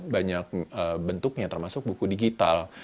banyak bentuknya termasuk buku digital